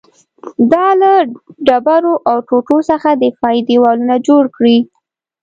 دا له ډبرو او ټوټو څخه دفاعي دېوالونه جوړ کړي